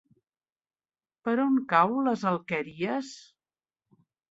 Per on cau les Alqueries?